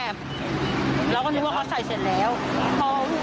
เราก็นึกว่าเขาใส่เสร็จแล้วพอ